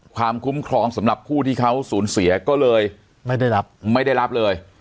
ความคุ้มครองสำหรับผู้ที่เขาสูญเสียก็เลยไม่ได้รับไม่ได้รับเลย